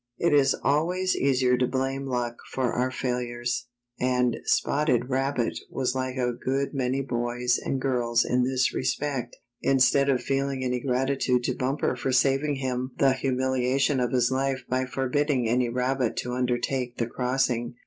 It is always easier to blame luck for our failures, and Spotted Rabbit was like a good many boys and girls in this respect. Instead of feeling any gratitude to Bumper for saving him the humiliation of his life by for bidding any rabbit to undertake the crossing.